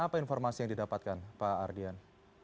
apa informasi yang didapatkan pak ardian